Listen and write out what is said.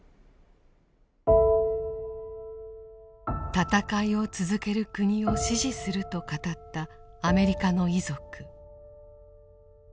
「戦いを続ける国を支持する」と語ったアメリカの遺族。